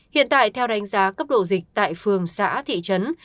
hiện tại theo đánh giá cấp độ dịch tại phường xã thị trấn